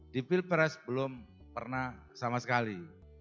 di pilpres belum pernah sama sekali